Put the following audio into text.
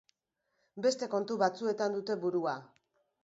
Beste kontu batzuetan dute burua.